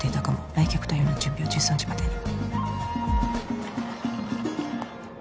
来客対応の準備は１３時までに。」